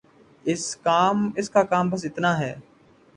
اس کا کام بس اتنا ہے۔